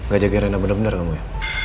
gak jaga reina bener bener kamu ya